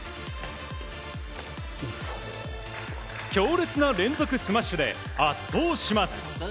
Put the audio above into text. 強烈な連続スマッシュで圧倒します。